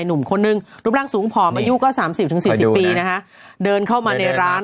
หนุ่มคนนึงรุมร่างสูงผอมอายุก็๓๐ถึง๔๐ปีนะฮะเดินเข้ามาในร้าน